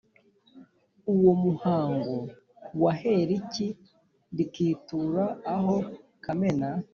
Uwo muhango wahera iki rikitura aho Kamena